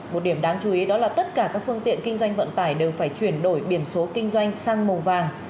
một điểm đáng chú ý đó là tất cả các phương tiện kinh doanh vận tải đều phải chuyển đổi biển số kinh doanh sang màu vàng